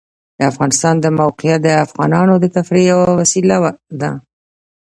د افغانستان د موقعیت د افغانانو د تفریح یوه وسیله ده.